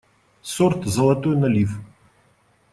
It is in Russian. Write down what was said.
Сорт «золотой налив».